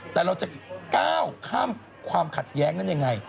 แต่เราจะก้าวข้ามความขัดแย้งนั้นยังไง